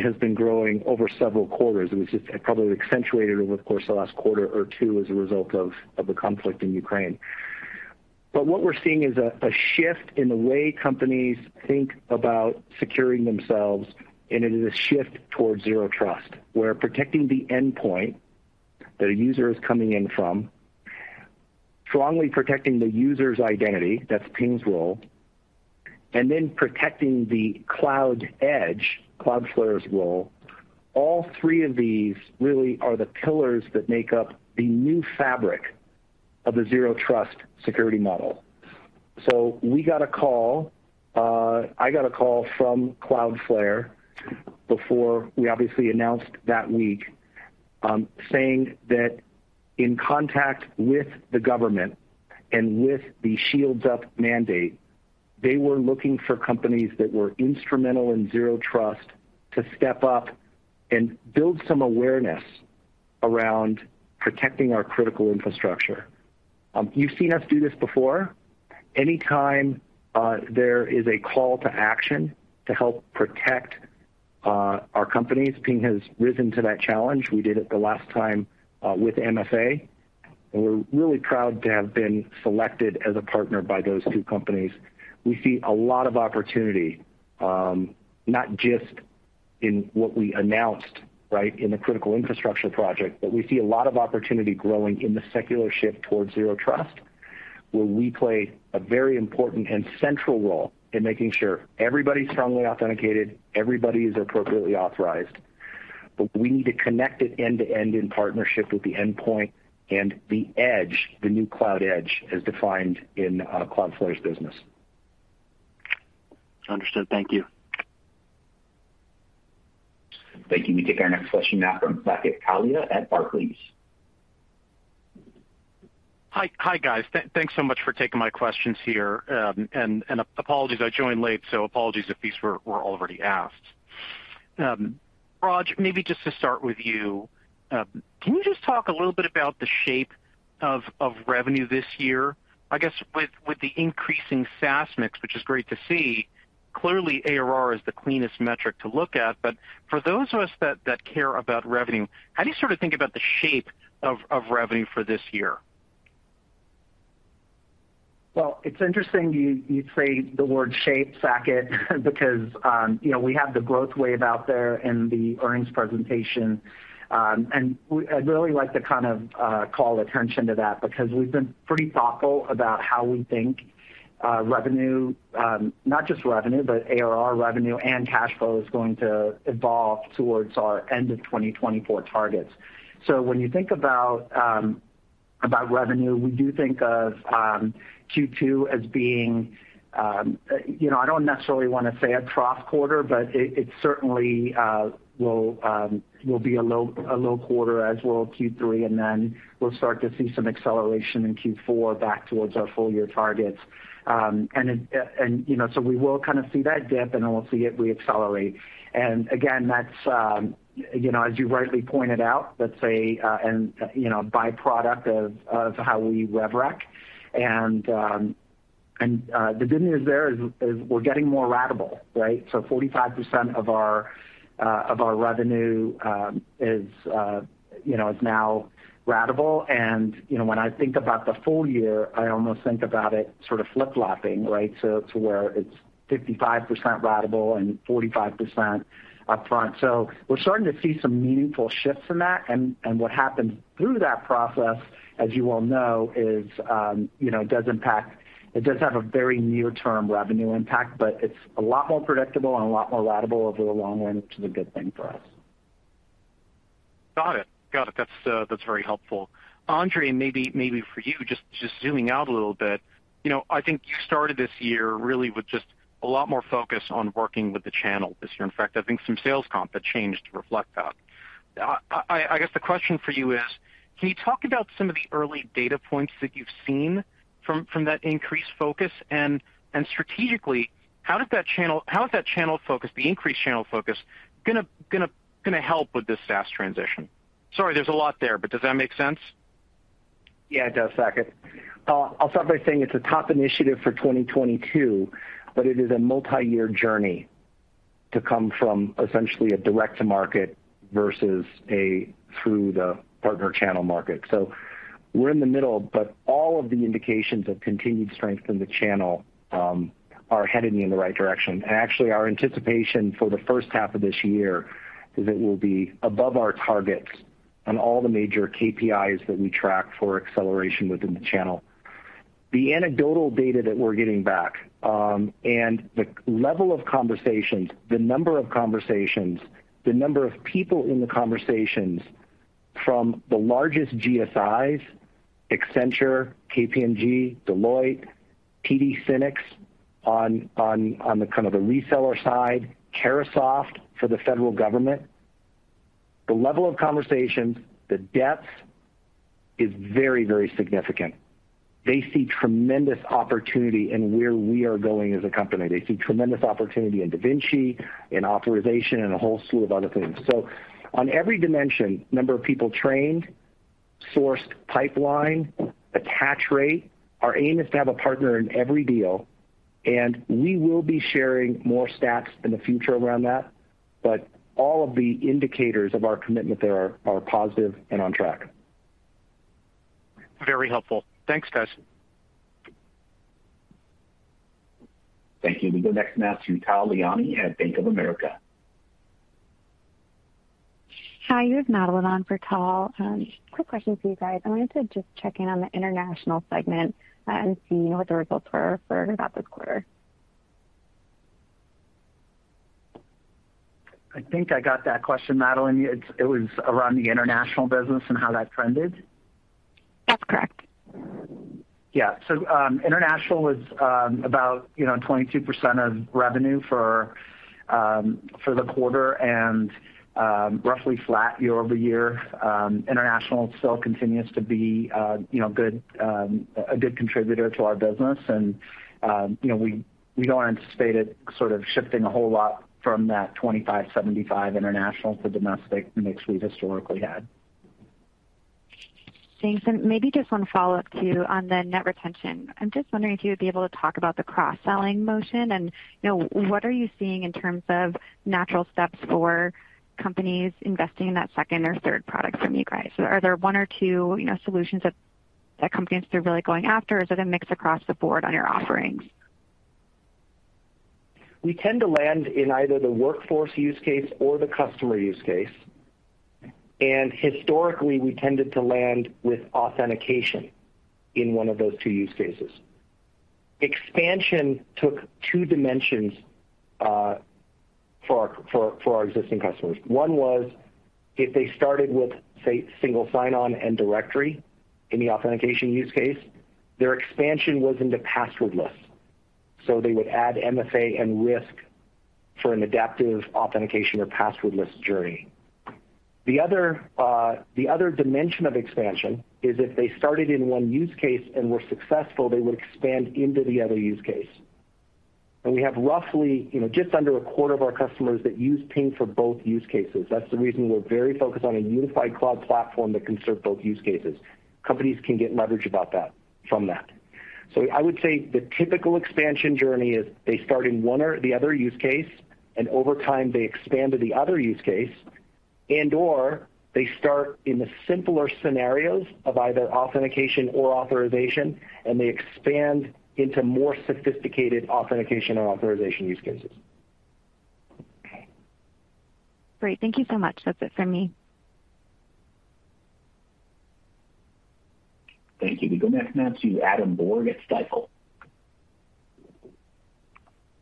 has been growing over several quarters. It probably accentuated over the course of the last quarter or two as a result of the conflict in Ukraine. What we're seeing is a shift in the way companies think about securing themselves, and it is a shift towards Zero Trust, where protecting the endpoint that a user is coming in from, strongly protecting the user's identity, that's Ping's role, and then protecting the cloud edge, Cloudflare's role, all three of these really are the pillars that make up the new fabric of the Zero Trust security model. We got a call, I got a call from Cloudflare before we obviously announced that week, saying that in contact with the government and with the Shields Up mandate. They were looking for companies that were instrumental in Zero Trust to step up and build some awareness around protecting our critical infrastructure. You've seen us do this before. Anytime there is a call to action to help protect our companies, Ping has risen to that challenge. We did it the last time with MFA, and we're really proud to have been selected as a partner by those two companies. We see a lot of opportunity, not just in what we announced, right, in the critical infrastructure project, but we see a lot of opportunity growing in the secular shift towards Zero Trust, where we play a very important and central role in making sure everybody's strongly authenticated, everybody is appropriately authorized. We need to connect it end-to-end in partnership with the endpoint and the edge, the new cloud edge, as defined in Cloudflare's business. Understood. Thank you. Thank you. We take our next question now from Saket Kalia at Barclays. Hi. Hi, guys. Thanks so much for taking my questions here. Apologies I joined late, so apologies if these were already asked. Raj, maybe just to start with you, can you just talk a little bit about the shape of revenue this year? I guess with the increasing SaaS mix, which is great to see, clearly ARR is the cleanest metric to look at. For those of us that care about revenue, how do you sort of think about the shape of revenue for this year? Well, it's interesting you say the word shape, Saket, because you know, we have the growth wave out there in the earnings presentation. I'd really like to kind of call attention to that because we've been pretty thoughtful about how we think revenue not just revenue, but ARR revenue and cash flow is going to evolve towards our end of 2024 targets. When you think about revenue, we do think of Q2 as being you know, I don't necessarily wanna say a trough quarter, but it certainly will be a low quarter as will Q3, and then we'll start to see some acceleration in Q4 back towards our full year targets. You know, we will kind of see that dip, and then we'll see it re-accelerate. Again, that's, you know, as you rightly pointed out, that's a byproduct of how we RevRec. The good news there is we're getting more ratable, right? 45% of our revenue is now ratable. You know, when I think about the full year, I almost think about it sort of flip-flopping, right? It's 55% ratable and 45% upfront. We're starting to see some meaningful shifts in that. What happens through that process, as you well know, is, you know, it does have a very near-term revenue impact, but it's a lot more predictable and a lot more ratable over the long run, which is a good thing for us. Got it. That's very helpful. Andre, maybe for you, just zooming out a little bit. You know, I think you started this year really with just a lot more focus on working with the channel this year. In fact, I think some sales comp had changed to reflect that. I guess the question for you is: Can you talk about some of the early data points that you've seen from that increased focus? Strategically, how does that channel focus, the increased channel focus, gonna help with this SaaS transition? Sorry, there's a lot there, but does that make sense? Yeah, it does, Saket. I'll start by saying it's a top initiative for 2022, but it is a multi-year journey to come from essentially a direct-to-market versus a through the partner channel market. We're in the middle, but all of the indications of continued strength in the channel are headed in the right direction. Actually, our anticipation for the first half of this year is it will be above our targets on all the major KPIs that we track for acceleration within the channel. The anecdotal data that we're getting back, and the level of conversations, the number of conversations, the number of people in the conversations from the largest GSIs, Accenture, KPMG, Deloitte, TD SYNNEX on the kind of the reseller side, Carahsoft for the federal government, the level of conversations, the depth is very, very significant. They see tremendous opportunity in where we are going as a company. They see tremendous opportunity in DaVinci, in authorization, and a whole slew of other things. On every dimension, number of people trained, sourced pipeline, attach rate, our aim is to have a partner in every deal, and we will be sharing more stats in the future around that. All of the indicators of our commitment there are positive and on track. Very helpful. Thanks, guys. Thank you. We go next now to Tal Liani at Bank of America. Hi, you have Madeline on for Tal. Quick question for you guys. I wanted to just check in on the international segment and see what the results were for about this quarter. I think I got that question, Madeline. It was around the international business and how that trended. That's correct. Yeah. International was about, you know, 22% of revenue for the quarter and roughly flat year-over-year. International still continues to be, you know, good, a good contributor to our business. You know, we don't anticipate it sort of shifting a whole lot from that 25-75 international to domestic mix we've historically had. Thanks. Maybe just one follow-up to you on the net retention. I'm just wondering if you would be able to talk about the cross-selling motion and, you know, what are you seeing in terms of natural steps for companies investing in that second or third product from you guys? Are there one or two, you know, solutions that companies are really going after, or is it a mix across the board on your offerings? We tend to land in either the workforce use case or the customer use case. Historically, we tended to land with authentication in one of those two use cases. Expansion took two dimensions for our existing customers. One was if they started with, say, single sign-on and directory in the authentication use case, their expansion was into passwordless. They would add MFA and risk for an adaptive authentication or passwordless journey. The other dimension of expansion is if they started in one use case and were successful, they would expand into the other use case. We have roughly, you know, just under a quarter of our customers that use Ping for both use cases. That's the reason we're very focused on a unified cloud platform that can serve both use cases. Companies can get leverage from that. I would say the typical expansion journey is they start in one or the other use case, and over time, they expand to the other use case, and/or they start in the simpler scenarios of either authentication or authorization, and they expand into more sophisticated authentication or authorization use cases. Okay. Great. Thank you so much. That's it from me. Thank you. We go next now to Adam Borg at Stifel.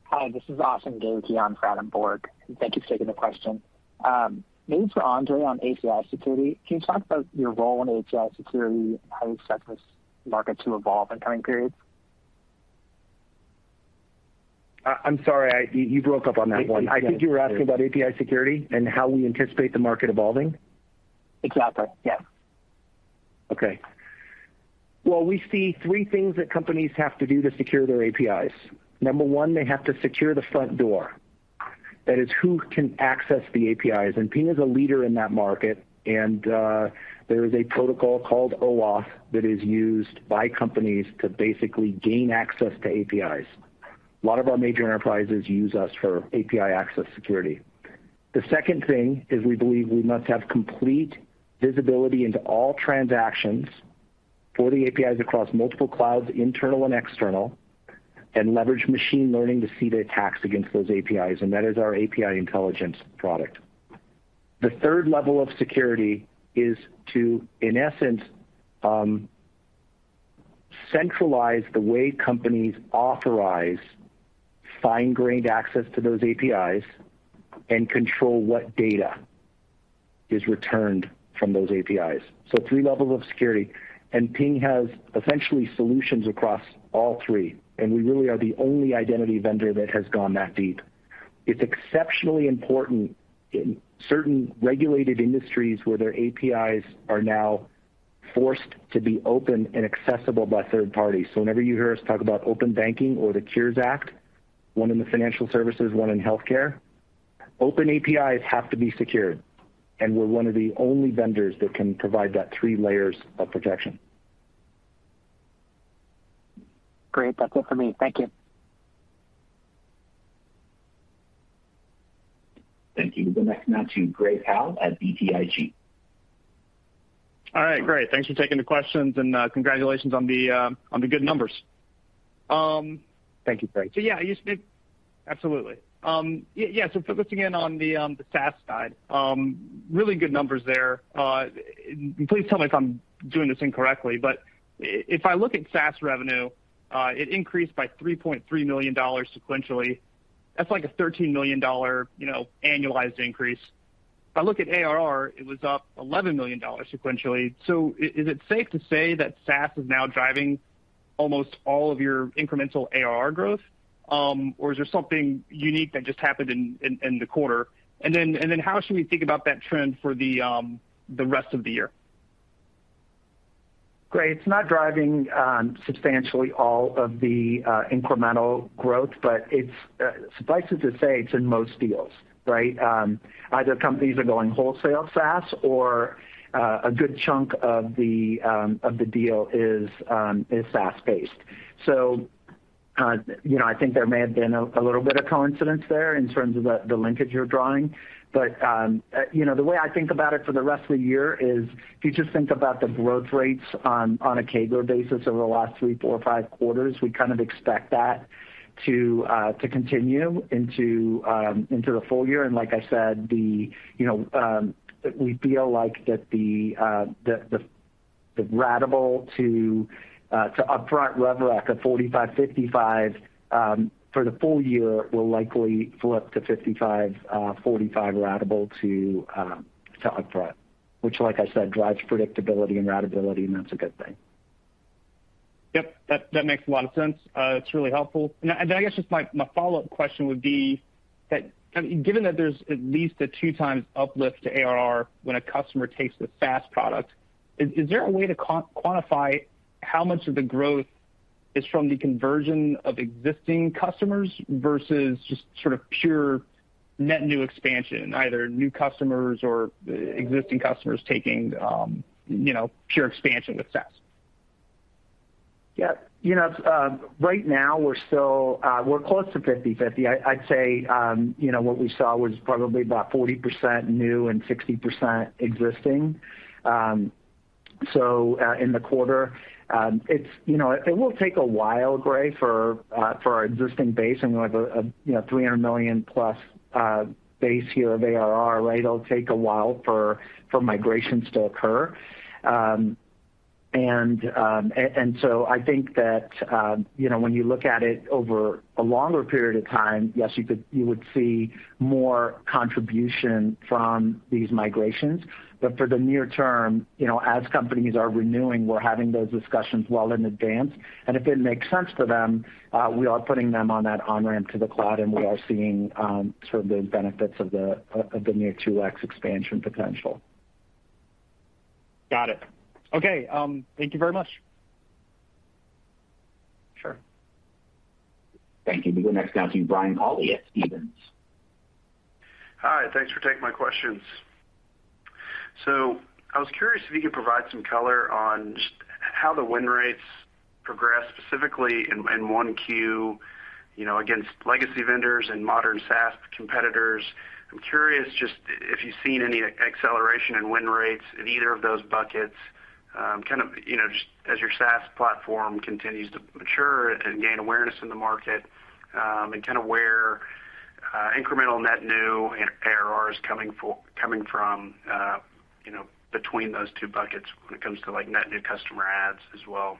Hi, this is Austin Gagy on for Adam Borg. Thank you for taking the question. Maybe for Andre on API security, can you talk about your role in API security and how you expect this market to evolve in coming periods? I'm sorry, you broke up on that one. I think you were asking about API security and how we anticipate the market evolving. Exactly. Yeah. Okay. Well, we see three things that companies have to do to secure their APIs. Number one, they have to secure the front door. That is, who can access the APIs. Ping is a leader in that market, and there is a protocol called OAuth that is used by companies to basically gain access to APIs. A lot of our major enterprises use us for API access security. The second thing is we believe we must have complete visibility into all transactions for the APIs across multiple clouds, internal and external, and leverage machine learning to see the attacks against those APIs, and that is our PingIntelligence for APIs. The third level of security is to, in essence, centralize the way companies authorize fine-grained access to those APIs and control what data is returned from those APIs. Three levels of security, and Ping has essentially solutions across all three, and we really are the only identity vendor that has gone that deep. It's exceptionally important in certain regulated industries where their APIs are now forced to be open and accessible by third parties. Whenever you hear us talk about Open Banking or the Cures Act, one in the financial services, one in healthcare, open APIs have to be secured, and we're one of the only vendors that can provide that three layers of protection. Great. That's it for me. Thank you. Thank you. We'll go next now to Gray Powell at BTIG. All right. Great. Thanks for taking the questions, and congratulations on the good numbers. Thank you, Gray. Focusing in on the SaaS side, really good numbers there. Please tell me if I'm doing this incorrectly, but if I look at SaaS revenue, it increased by $3.3 million sequentially. That's like a $13 million, you know, annualized increase. If I look at ARR, it was up $11 million sequentially. Is it safe to say that SaaS is now driving almost all of your incremental ARR growth? Or is there something unique that just happened in the quarter? How should we think about that trend for the rest of the year? Great. It's not driving substantially all of the incremental growth, but it's suffice it to say it's in most deals, right? Either companies are going wholesale SaaS or a good chunk of the deal is SaaS-based. You know, I think there may have been a little bit of coincidence there in terms of the linkage you're drawing. You know, the way I think about it for the rest of the year is if you just think about the growth rates on a CAGR basis over the last three, four, five quarters, we kind of expect that to continue into the full year. Like I said, you know, we feel like the ratable to upfront RevRec of 45-55 for the full year will likely flip to 55-45 ratable to upfront. Which, like I said, drives predictability and ratability, and that's a good thing. Yep. That makes a lot of sense. It's really helpful. I guess just my follow-up question would be that, I mean, given that there's at least a 2x uplift to ARR when a customer takes the SaaS product, is there a way to quantify how much of the growth is from the conversion of existing customers versus just sort of pure net new expansion, either new customers or existing customers taking, you know, pure expansion with SaaS? Yeah. You know, right now we're still close to 50/50. I'd say, you know, what we saw was probably about 40% new and 60% existing, so in the quarter. You know what? It will take a while, Gray, for our existing base and we have a, you know, $300 million+ base here of ARR, right? It'll take a while for migrations to occur. And so I think that, you know, when you look at it over a longer period of time, yes, you would see more contribution from these migrations. But for the near term, you know, as companies are renewing, we're having those discussions well in advance. If it makes sense to them, we are putting them on that on-ramp to the cloud, and we are seeing sort of the benefits of the near 2x expansion potential. Got it. Okay. Thank you very much. Sure. Thank you. We'll go next now to Brian Colley at Stephens. Hi. Thanks for taking my questions. I was curious if you could provide some color on just how the win rates progress specifically in 1Q, you know, against legacy vendors and modern SaaS competitors. I'm curious just if you've seen any acceleration in win rates in either of those buckets, kind of, you know, just as your SaaS platform continues to mature and gain awareness in the market, and kind of where incremental net new and ARR is coming from, you know, between those two buckets when it comes to, like, net new customer adds as well.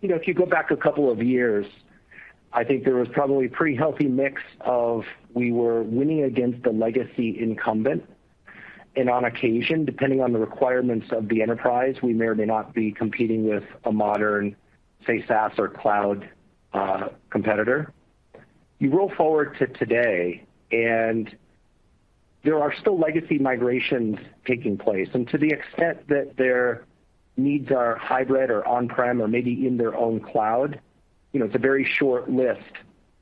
You know, if you go back a couple of years, I think there was probably a pretty healthy mix of we were winning against the legacy incumbent. On occasion, depending on the requirements of the enterprise, we may or may not be competing with a modern, say, SaaS or cloud competitor. You roll forward to today and there are still legacy migrations taking place. To the extent that their needs are hybrid or on-prem or maybe in their own cloud, you know, it's a very short list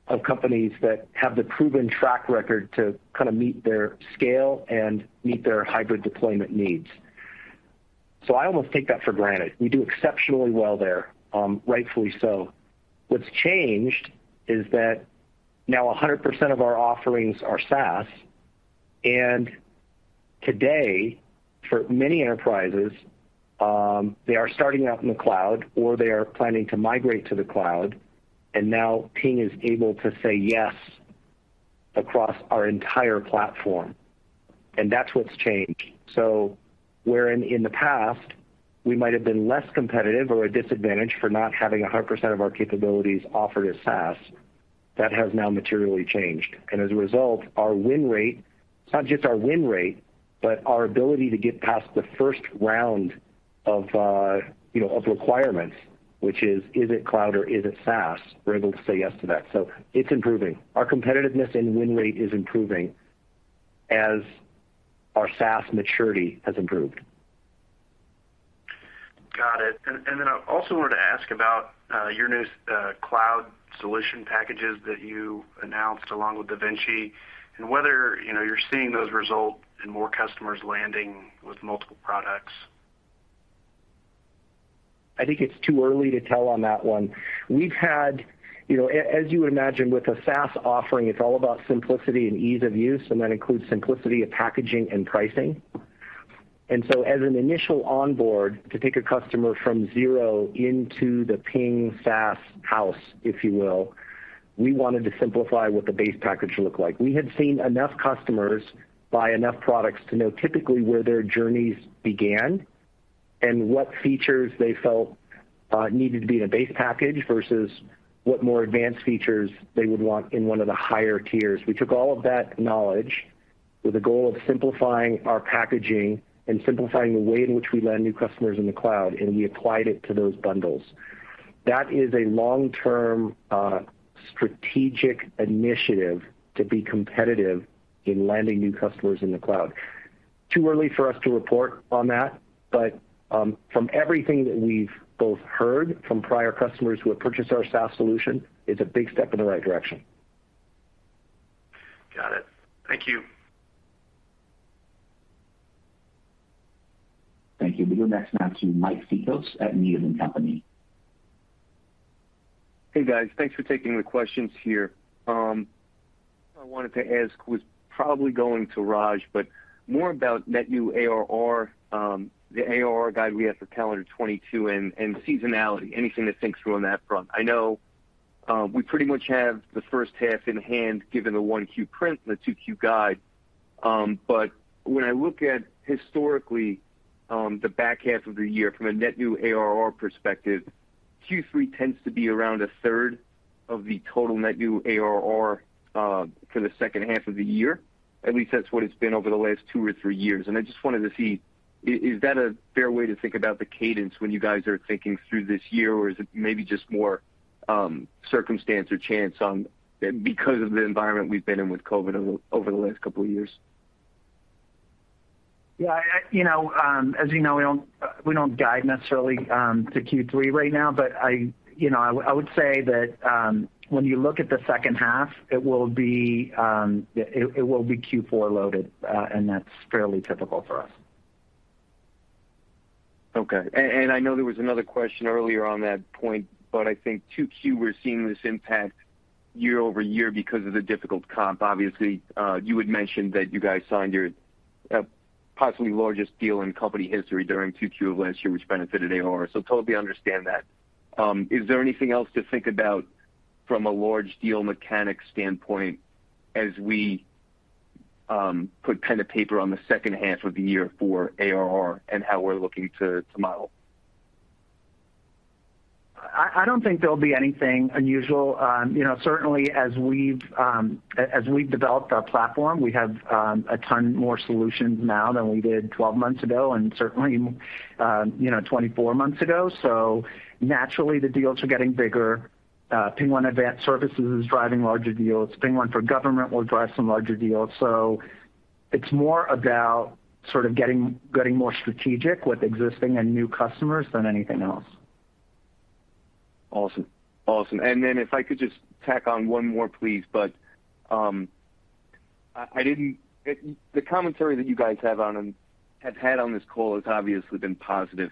of companies that have the proven track record to kind of meet their scale and meet their hybrid deployment needs. I almost take that for granted. We do exceptionally well there, rightfully so. What's changed is that now 100% of our offerings are SaaS. Today, for many enterprises, they are starting out in the cloud or they are planning to migrate to the cloud, and now Ping is able to say yes across our entire platform, and that's what's changed. Wherein in the past we might have been less competitive or a disadvantage for not having 100% of our capabilities offered as SaaS, that has now materially changed. As a result, our win rate, not just our win rate, but our ability to get past the first round of, you know, of requirements, which is it cloud or is it SaaS? We're able to say yes to that. It's improving. Our competitiveness and win rate is improving as our SaaS maturity has improved. Got it. I also wanted to ask about your new cloud solution packages that you announced along with DaVinci, and whether, you know, you're seeing those result in more customers landing with multiple products. I think it's too early to tell on that one. We've had, you know, as you would imagine with a SaaS offering, it's all about simplicity and ease of use, and that includes simplicity of packaging and pricing. As an initial onboard to take a customer from zero into the Ping SaaS house, if you will, we wanted to simplify what the base package looked like. We had seen enough customers buy enough products to know typically where their journeys began and what features they felt needed to be in a base package versus what more advanced features they would want in one of the higher tiers. We took all of that knowledge with the goal of simplifying our packaging and simplifying the way in which we land new customers in the cloud, and we applied it to those bundles. That is a long-term strategic initiative to be competitive in landing new customers in the cloud. Too early for us to report on that, but from everything that we've both heard from prior customers who have purchased our SaaS solution, it's a big step in the right direction. Got it. Thank you. Thank you. We'll go next now to Mike Cikos at Needham & Company. Hey, guys. Thanks for taking the questions here. What I wanted to ask was probably going to Raj, but more about net new ARR, the ARR guide we have for calendar 2022 and seasonality, anything to think through on that front. I know we pretty much have the first half in hand given the Q1 print and the Q2 guide. But when I look at historically, the back half of the year from a net new ARR perspective, Q3 tends to be around a third of the total net new ARR for the second half of the year. At least that's what it's been over the last two or three years. I just wanted to see, is that a fair way to think about the cadence when you guys are thinking through this year? Is it maybe just more circumstance or chance because of the environment we've been in with COVID over the last couple of years? Yeah, you know, as you know, we don't guide necessarily to Q3 right now. You know, I would say that when you look at the second half, it will be Q4 loaded, and that's fairly typical for us. Okay. I know there was another question earlier on that point, but I think 2Q, we're seeing this impact year-over-year because of the difficult comp. Obviously, you had mentioned that you guys signed your possibly largest deal in company history during 2Q of last year, which benefited ARR. I totally understand that. Is there anything else to think about from a large deal mechanic standpoint as we put pen to paper on the H2 of the year for ARR and how we're looking to model? I don't think there'll be anything unusual. You know, certainly, as we've developed our platform, we have a ton more solutions now than we did 12 months ago, and certainly, you know, 24 months ago. Naturally, the deals are getting bigger. PingOne Advanced Services is driving larger deals. PingOne for Government will drive some larger deals. It's more about sort of getting more strategic with existing and new customers than anything else. Awesome. If I could just tack on one more, please. The commentary that you guys have had on this call has obviously been positive.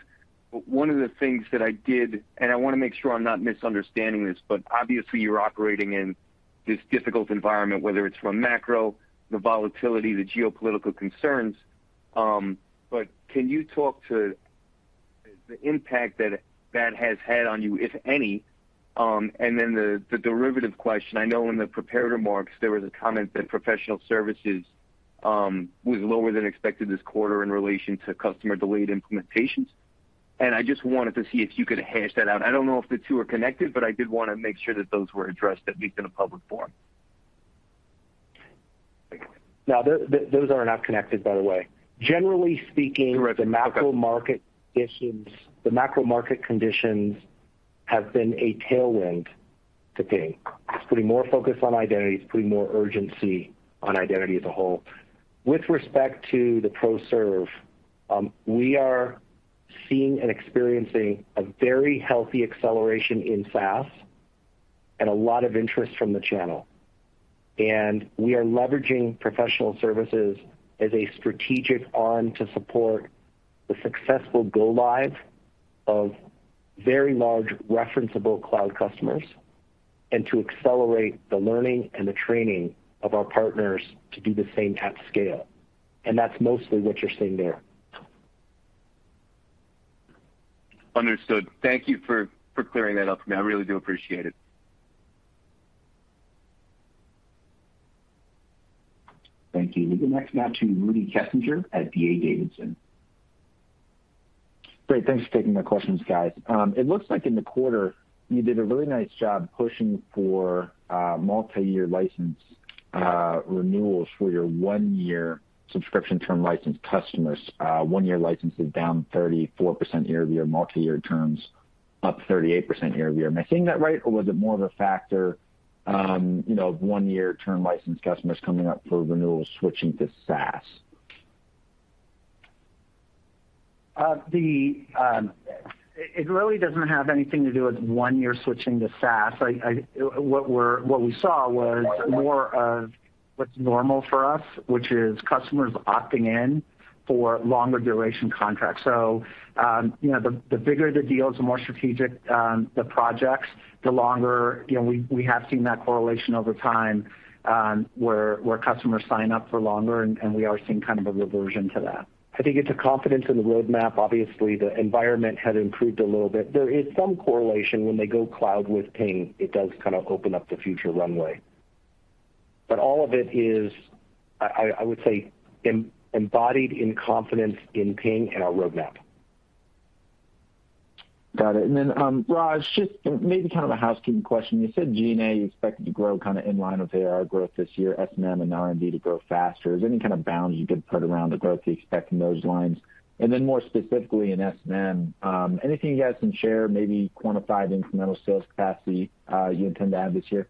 One of the things that I did, and I wanna make sure I'm not misunderstanding this, but obviously you're operating in this difficult environment, whether it's from macro, the volatility, the geopolitical concerns. Can you talk to the impact that that has had on you, if any? The derivative question, I know in the prepared remarks, there was a comment that professional services was lower than expected this quarter in relation to customer delayed implementations. I just wanted to see if you could hash that out. I don't know if the two are connected, but I did wanna make sure that those were addressed, at least in a public forum. No, those are not connected, by the way. Generally speaking. Correct. Okay. The macro market conditions have been a tailwind to Ping. It's putting more focus on identities. It's putting more urgency on identity as a whole. With respect to professional services, we are seeing and experiencing a very healthy acceleration in SaaS and a lot of interest from the channel. We are leveraging professional services as a strategic arm to support the successful go live of very large referenceable cloud customers and to accelerate the learning and the training of our partners to do the same at scale. That's mostly what you're seeing there. Understood. Thank you for clearing that up for me. I really do appreciate it. Thank you. We'll go next now to Rudy Kessinger at D.A. Davidson. Great. Thanks for taking my questions, guys. It looks like in the quarter, you did a really nice job pushing for multi-year license renewals for your one-year subscription term license customers. One-year licenses down 34% year-over-year, multi-year terms up 38% year-over-year. Am I saying that right, or was it more of a factor, you know, of one-year term license customers coming up for renewals switching to SaaS? It really doesn't have anything to do with one year switching to SaaS. What we saw was more of what's normal for us, which is customers opting in for longer duration contracts. You know, the bigger the deals, the more strategic the projects, the longer, you know, we have seen that correlation over time, where customers sign up for longer, and we are seeing kind of a reversion to that. I think it's a confidence in the roadmap. Obviously, the environment had improved a little bit. There is some correlation when they go cloud with Ping, it does kind of open up the future runway. All of it is, I would say, embodied in confidence in Ping and our roadmap. Got it. Raj, just maybe kind of a housekeeping question. You said G&A you expected to grow kinda in line with ARR growth this year, S&M and R&D to grow faster. Is there any kind of bounds you could put around the growth you expect in those lines? More specifically in S&M, anything you guys can share, maybe quantified incremental sales capacity, you intend to add this year?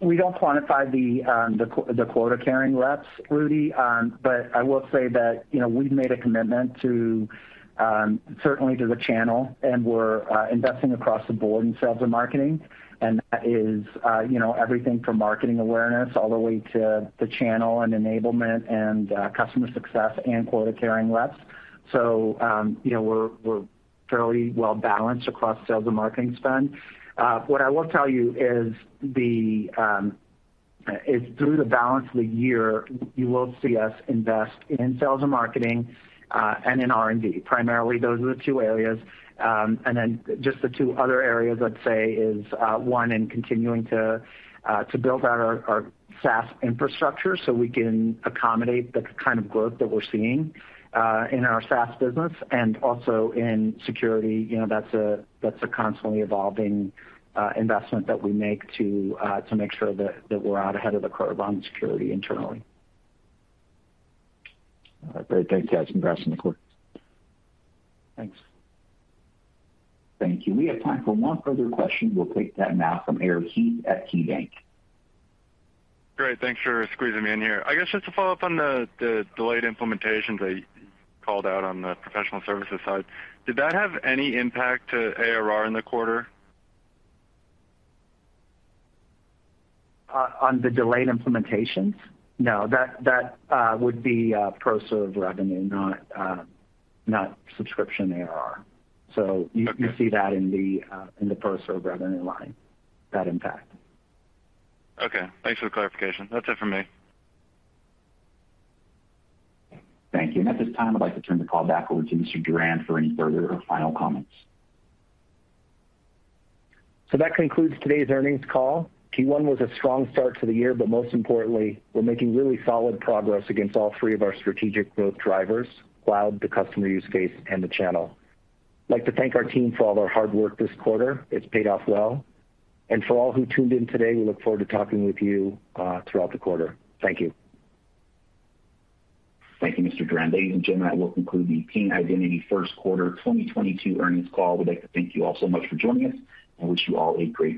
We don't quantify the quota-carrying reps, Rudy. But I will say that, you know, we've made a commitment to certainly to the channel, and we're investing across the board in sales and marketing, and that is, you know, everything from marketing awareness all the way to the channel and enablement and customer success and quota-carrying reps. You know, we're fairly well balanced across sales and marketing spend. What I will tell you is through the balance of the year, you will see us invest in sales and marketing and in R&D. Primarily, those are the two areas. Just the two other areas, I'd say, one in continuing to build out our SaaS infrastructure so we can accommodate the kind of growth that we're seeing in our SaaS business and also in security. You know, that's a constantly evolving investment that we make to make sure that we're out ahead of the curve on security internally. All right. Great. Thanks, guys. Congrats on the quarter. Thanks. Thank you. We have time for one further question. We'll take that now from Eric Heath at KeyBanc. Great. Thanks for squeezing me in here. I guess just to follow up on the delayed implementations that you called out on the professional services side, did that have any impact to ARR in the quarter? On the delayed implementations? No, that would be pro serve revenue, not subscription ARR. Okay. You see that in the pro serve revenue line, that impact. Okay. Thanks for the clarification. That's it for me. Thank you. At this time, I'd like to turn the call back over to Mr. Durand for any further or final comments. That concludes today's earnings call. Q1 was a strong start to the year, but most importantly, we're making really solid progress against all three of our strategic growth drivers: cloud, the customer use case, and the channel. I'd like to thank our team for all their hard work this quarter. It's paid off well. For all who tuned in today, we look forward to talking with you throughout the quarter. Thank you. Thank you, Mr. Durand. Ladies and gentlemen, that will conclude the Ping Identity first quarter 2022 earnings call. We'd like to thank you all so much for joining us and wish you all a great day.